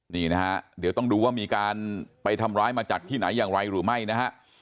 นี่นะฮะเดี๋ยวต้องดูว่ามีการไปทำร้ายมาจากที่ไหนอย่างไรหรือไม่นะฮะ